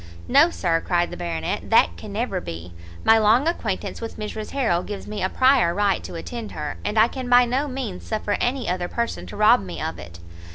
"No, Sir," cried the Baronet, "that can never be; my long acquaintance with Mrs Harrel gives me a prior right to attend her, and I can by no means suffer any other person to rob me of it."